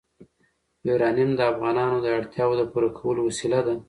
یورانیم د افغانانو د اړتیاوو د پوره کولو وسیله ده.